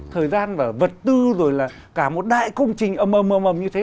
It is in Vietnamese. thời gian và vật tư rồi là cả một đại công trình ấm ấm ấm ấm như thế